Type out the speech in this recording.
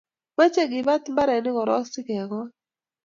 Mache kebat mbaranni korok sigekol